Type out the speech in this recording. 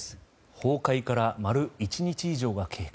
崩壊から丸１日以上が経過。